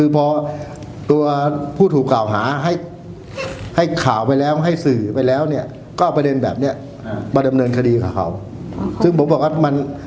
ไปแล้วเนี่ยก็เอาประเด็นแบบเนี้ยอ่าประดำเนินคดีกับเขาซึ่งผมบอกว่า